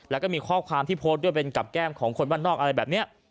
แล้วก็มีข้อความที่โพสต์ด้วยเป็นกับแก้มของคนบ้านนอกอะไรแบบนี้